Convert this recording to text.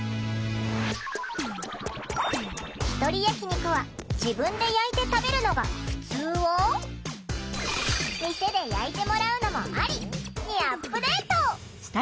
「ひとり焼き肉は自分で焼いて食べるのがふつう」を「店で焼いてもらうのもアリ」にアップデート！